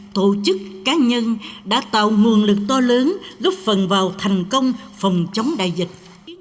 tổ chức cá nhân đã tạo nguồn lực to lớn góp phần vào thành công phòng chống đại dịch